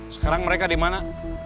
sekarang mereka di mana